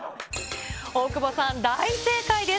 大久保さん、大正解です。